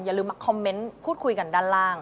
อย่าลืมมาคอมเมนต์พูดคุยกันด้านล่าง